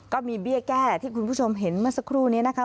เบี้ยแก้ที่คุณผู้ชมเห็นเมื่อสักครู่นี้นะคะ